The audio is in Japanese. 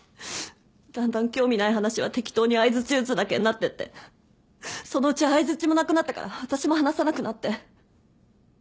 だんだん興味ない話は適当に相づち打つだけになってってそのうち相づちもなくなったから私も話さなくなって。